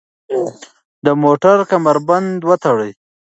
د موټر کمربند وتړئ.